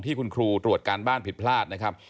ที่คุณครูตรวจการบ้านผิดพลาดนะครับ